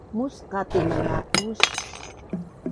musqa tu mangapus